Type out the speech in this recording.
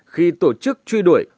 khi tổ chức truy đuổi